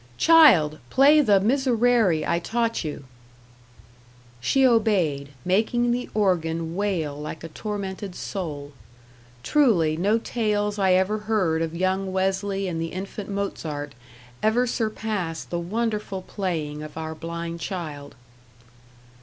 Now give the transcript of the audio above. "Child, play the 'Miserere' I taught you." She obeyed, making the organ wail like a tormented soul. Truly, no tales I ever heard of young Wesley and the infant Mozart ever surpassed the wonderful playing of our blind child.